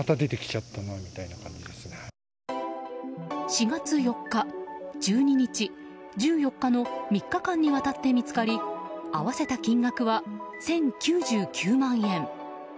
４月４日、１２日、１４日の３日間にわたって見つかり合わせた金額は１０９９万円。